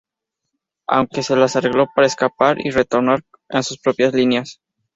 Aunque se las arregló para escapar y retornar a sus propias líneas.